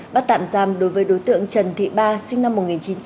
bắt tạm giam đối với đối tượng trần thị ba sinh năm một nghìn chín trăm chín mươi một